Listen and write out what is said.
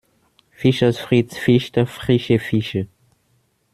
Fischers Fritz fischt frische Fische.